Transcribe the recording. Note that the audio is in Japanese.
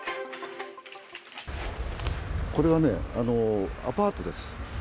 これはね、アパートです。